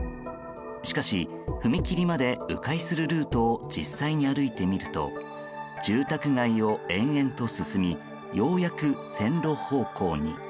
しかし踏切まで迂回するルートを実際に歩いてみると住宅街を延々と進みようやく線路方向に。